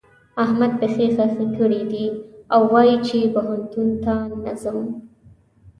احمد پښې خښې کړې دي او وايي چې پوهنتون ته نه ځم.